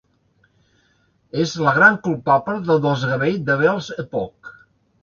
És la gran culpable del desgavell de Wells Epoch.